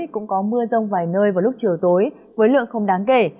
cũng có mưa rông vài nơi vào lúc chiều tối với lượng không đáng kể